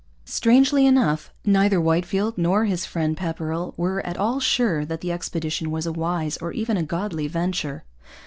Strangely enough, neither Whitefield nor his friend Pepperrell was at all sure that the expedition was a wise or even a godly venture.